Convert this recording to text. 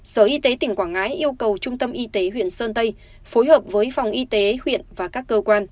sở y tế tỉnh quảng ngãi yêu cầu trung tâm y tế huyện sơn tây phối hợp với phòng y tế huyện và các cơ quan